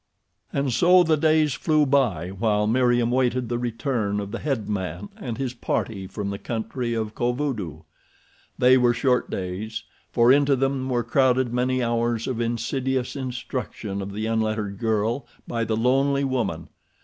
And so the days flew by while Meriem waited the return of the head man and his party from the country of Kovudoo. They were short days, for into them were crowded many hours of insidious instruction of the unlettered child by the lonely woman.